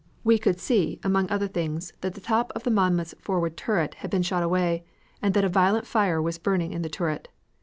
We could see, among other things, that the top of the Monmouth's forward turret had been shot away, and that a violent fire was burning in the turret.